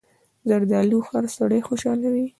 زردالو هر سړی خوشحالوي.